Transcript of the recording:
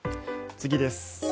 次です。